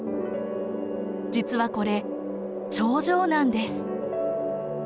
実はこれ長城なんです。